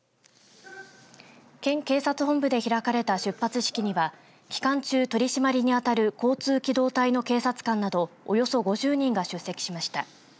県警察本部で開かれた出発式には期間中、取締りに当たる交通機動隊の警察官などおよそ５０人が出席しました。